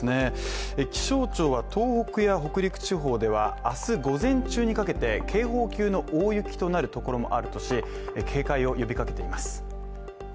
気象庁は東北や北陸地方では明日午前中にかけて警報級の大雪になるところもあるとし警戒を呼びかけています。